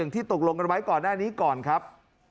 ที่ตกลงกันไว้ก่อนหน้านี้ก่อนครับ